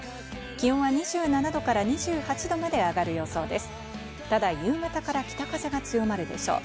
気温は２７度から２８度まで上がる予想です。